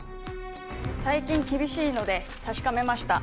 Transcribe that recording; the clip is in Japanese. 最近厳しいので確かめました。